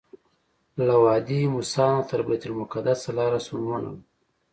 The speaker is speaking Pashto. له وادي موسی نه تر بیت المقدسه لاره ستونزمنه وه.